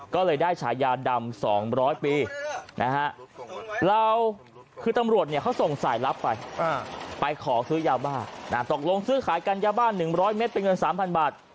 ก็เลยได้ฉายาดำ๒๐๐ปีนะฮะเราคือตำรวจเขาส่งสายลับไปไปขอซื้อยาบ้าตกลงซื้อขายกันยาบ้าน๑๐๐เมตรเป็นเงิน๓๐๐บาท